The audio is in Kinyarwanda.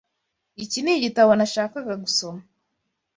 Iki nigitabo nashakaga gusoma.